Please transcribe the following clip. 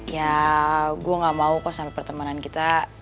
ya gue gak mau kok sampai pertemanan kita